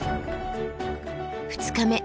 ２日目